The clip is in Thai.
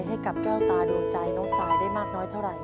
ให้กับแก้วตาดวงใจน้องสายได้มากน้อยเท่าไหร่